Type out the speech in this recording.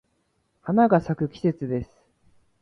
花が咲く季節です。